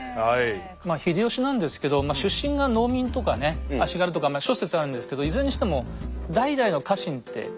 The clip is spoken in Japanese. まあ秀吉なんですけど出身が農民とかね足軽とかまあ諸説あるんですけどいずれにしても代々の家臣っていないんですよ。